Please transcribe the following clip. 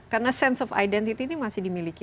karena sense of identity ini masih dimiliki